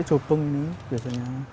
kalau gersik jopong ini biasanya